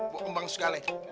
gue kembang segalanya